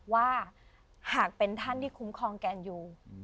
ว่าหากเป็นท่านที่คุ้มครองแกนอยู่